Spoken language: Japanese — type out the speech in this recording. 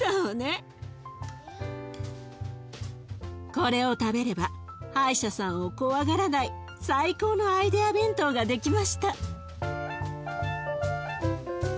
これを食べれば歯医者さんを怖がらない最高のアイデア弁当が出来ました。